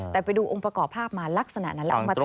แต่ไปดูองค์ประกอบภาพมาลักษณะนั้นแล้วเอามาทำ